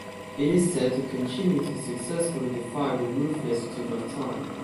It is said to continue to successfully defy the ruthless tooth of time.